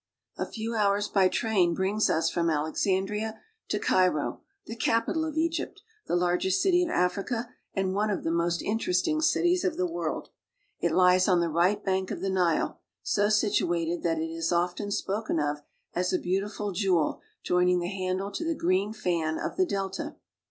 A few hours by train brings us from Ale.tandria to Cairo, the capital of Egypt, the largest city of Africa, and one of the most interesting cities of the world. It lies on the right bank of the Nile, so situated that it is often spoken of as a beautiful jewel joining the handle to the green fan of the delta.